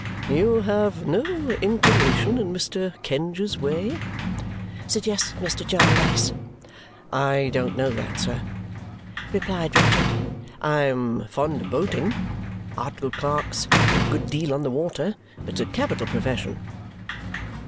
"You have no inclination in Mr. Kenge's way?" suggested Mr. Jarndyce. "I don't know that, sir!" replied Richard. "I am fond of boating. Articled clerks go a good deal on the water. It's a capital profession!"